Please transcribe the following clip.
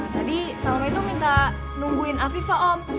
tadi salma itu minta nungguin afifa om